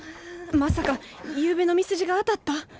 まさかゆうべのみすじがあたった？